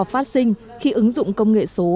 phát sinh khi ứng dụng công nghệ số